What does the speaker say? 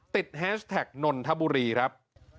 แฮชแท็กนนทบุรีครับ